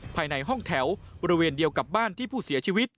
ภายในห้องแถวบริเวณเดียวกับบ้านที่ผู้เสียชีวิต